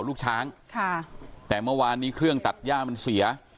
ลูกช้างค่ะแต่เมื่อวานนี้เครื่องตัดย่ามันเสีย